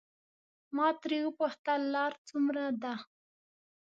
ما ترې وپوښتل لار څومره ده.